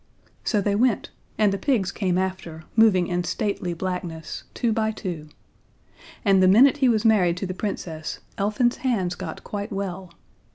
So they went, and the pigs came after, moving in stately blackness, two by two. And, the minute he was married to the Princess, Elfin's hands got quite well.